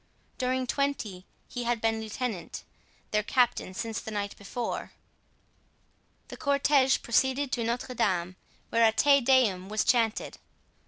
During twenty he had been lieutenant, their captain since the night before. The cortege proceeded to Notre Dame, where a Te Deum was chanted.